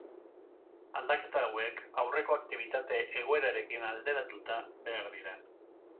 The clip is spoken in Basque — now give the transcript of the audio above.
Aldaketa hauek aurreko aktibitate-egoerarekin alderatuta behar dira.